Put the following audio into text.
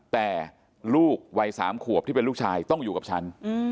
แต่ลูกวัย๓ขวบที่เป็นลูกชายต้องอยู่กับฉัน